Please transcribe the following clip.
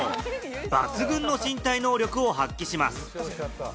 抜群の身体能力を発揮します。